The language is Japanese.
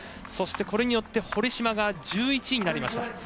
そして、これによって堀島が１１位になりました。